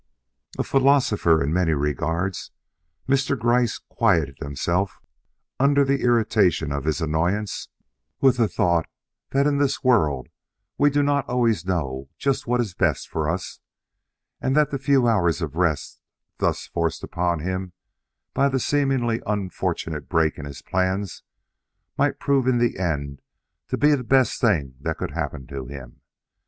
A philosopher, in many regards, Mr. Gryce quieted himself, under the irritation of this annoyance, with the thought that in this world we do not always know just what is best for us; and that the few hours of rest thus forced upon him by the seemingly unfortunate break in his plans might prove in the end to be the best thing that could happen to him.